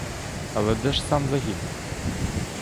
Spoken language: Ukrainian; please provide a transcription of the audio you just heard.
Але де ж сам загін?